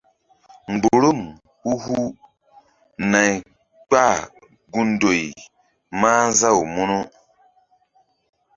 Mgburum hu-hu nay kpahgun ndoy mah nzaw mu.